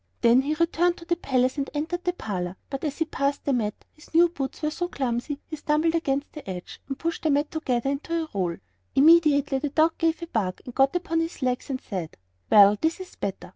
Then he returned to the palace an entered the parlor; but as he passed the mat, his new boots were so clumsy, he stumbled against the edge and pushed the mat together into a roll. Immediately the dog gave a bark, got upon its legs and said: "Well, this is better!